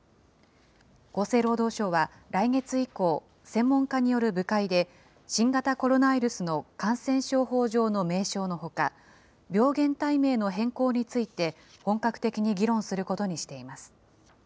厚生労働省は来月以降、専門家による部会で、新型コロナウイルスの感染症法上の名称のほか、病原体名の変更について、本格的に議論することにしています。